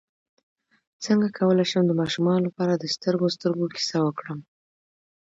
څنګه کولی شم د ماشومانو لپاره د سترګو سترګو کیسه وکړم